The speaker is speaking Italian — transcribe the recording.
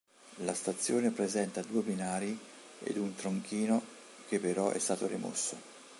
La stazione presenta due binari ed un tronchino che però è stato rimosso.